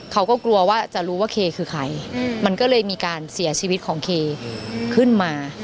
เขาก็กลัวว่าจะรู้ว่าเคคือใครมันก็เลยมีการเสียชีวิตของเคขึ้นมา